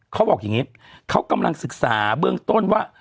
เขาบอกอย่างนี้เขากำลังศึกษาเบื้องต้นว่า